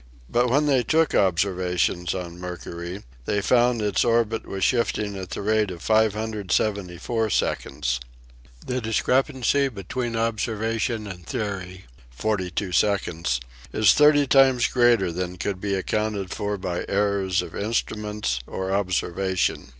But when they took observations on Mercury they found that its orbit was shifting at the rate of 574 seconds. The discrepancy between observation and theory, 42 seconds, is thirty times greater than could be accounted for by errors of instruments or observa tion.